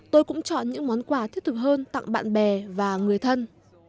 tôi cũng chọn những món quà thiết thực hơn tặng bạn bè và người thân